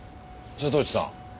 瀬戸内さん